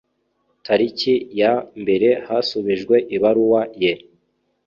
Tariki ya mbere hasubijwe ibaruwa ye